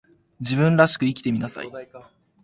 自分らしく生きてみなさい